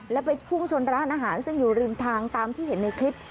แล้วไปพุ่งชนร้านอาหารซึ่งอยู่ริมทางตามที่เห็นในคลิป